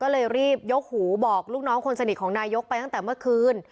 ก็เลยรีบยกหูบอกลูกน้องคนสนิทของนายกไปตั้งแต่เมื่อคืน